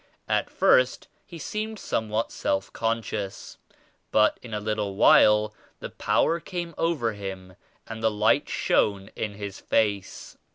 At first he seemed somewhat self conscious but in a little while the Power came over him and the Light shone in his face.